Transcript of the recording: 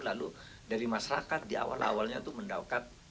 lalu dari masyarakat di awal awalnya itu mendaukat